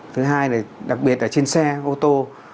thứ hai là đặc biệt là trên xe ô tô